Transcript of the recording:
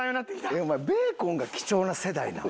えっお前ベーコンが貴重な世代なん？